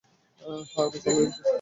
হ্যাঁ, অনেক ভালো লেগেছে।